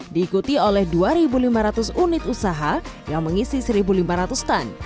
diikuti oleh dua lima ratus unit usaha yang mengisi satu lima ratus ton